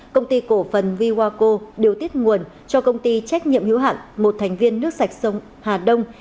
công ty cổ phần vy wa co điều tiết nguồn cho công ty trách nhiệm hữu hạn một thành viên nước sạch sông hà đông